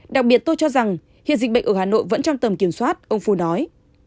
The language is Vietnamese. đặc biệt tôi cho rằng hiện dịch bệnh ở hà nội vẫn trong tầm kiểm soát ông phu nói